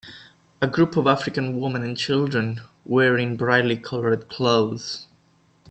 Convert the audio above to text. A group of African women and children wearing brightly colored clothes.